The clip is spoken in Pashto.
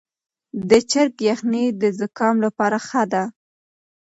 د چرګ یخني د زکام لپاره ښه ده.